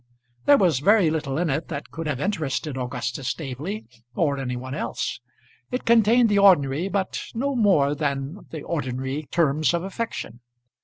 There was very little in it that could have interested Augustus Staveley or any one else. It contained the ordinary, but no more than the ordinary terms of affection.